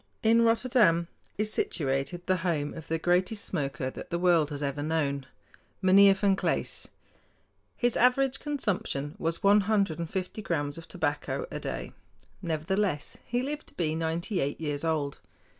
In Rotterdam is situated the home of the greatest smoker that the world has ever known, Meinheer Van Klaes. His average consumption was one hundred and fifty grams of tobacco a day. Nevertheless he lived to be ninety eight years old.